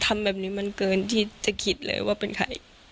ทำแบบนี้มันเกินที่จะคิดเลยว่าเป็นใคร